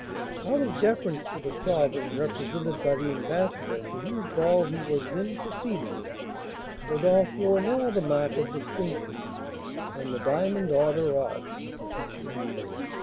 Out of deference for the sovereign represented by the ambassador to whose ball he was then proceeding, Rodolph wore no other mark of distinction than the diamond order of